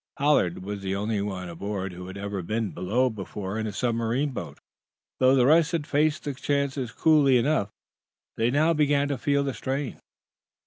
Pollard was the only one aboard who had ever been below before in a submarine boat. Though the rest had faced the chances coolly enough, they now began to feel the strain.